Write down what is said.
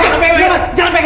jangan pegang jangan pegang